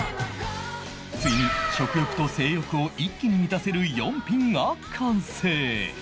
ついに食欲と性欲を一気に満たせる４品が完成